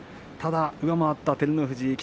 ただ上回った照ノ富士。